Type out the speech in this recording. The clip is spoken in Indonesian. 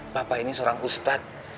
bapak ini seorang ustadz